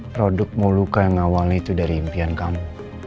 produk mau luka yang awalnya itu dari impian kamu